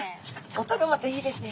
音がまたいいですね。